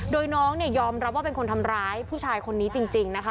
โดยน้องเนี่ยยอมรับว่าเป็นคนทำร้ายผู้ชายคนนี้จริงนะคะ